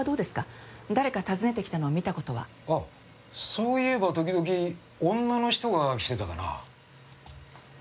あっそういえば時々女の人が来てたかな。